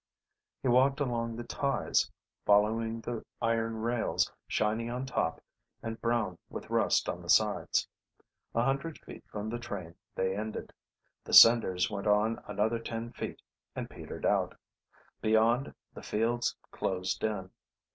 He walked along the ties, following the iron rails, shiny on top, and brown with rust on the sides. A hundred feet from the train they ended. The cinders went on another ten feet and petered out. Beyond, the fields closed in.